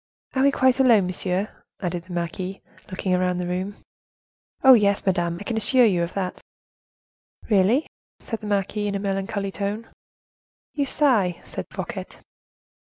"Are we quite alone, monsieur?" asked the marquise, looking round the room. "Oh, yes, madame, I can assure you of that." "Really?" said the marquise, in a melancholy tone. "You sigh!" said Fouquet.